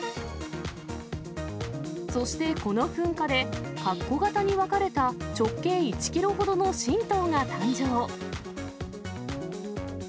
そして、この噴火でかっこ形に分かれた直径１キロほどの新島が誕生。